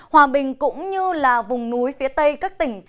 hòa bình cũng như là vùng núi phía tây các tỉnh